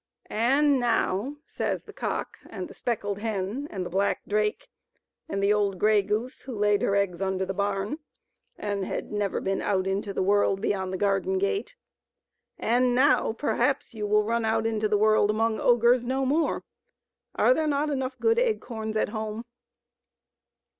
" And now," says the cock and the speckled hen and the black drake and the old grey goose who laid her eggs under the barn, and had never 246 THE THREE LITTLE PIGS AND THE OGRE. been out into the world beyond the garden gate —' and now perhaps you will run out into the world and among ogres no more. Are there not good enough acorns at home?